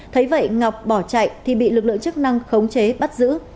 thấy vậy ngọc bỏ chạy thì bị lực lượng chức năng khống chế bắt giữ